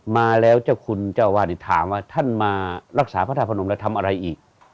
มาแล้วเจ้าคุณเจ้าวาดิษฐถามว่าท่านมารักษาพระธาตุพนมแล้วทำอะไรอีก